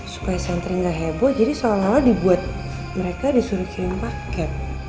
supaya sentri gak heboh jadi seolah olah dibuat mereka disuruh kirim paket